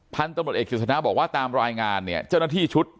พันธุ์ตำรวจเอกกิจสนาบอกว่าตามรายงานเนี่ยเจ้าหน้าที่ชุด